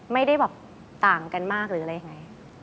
ไม่ได้แบบต่างกันมากหรืออะไรยังไง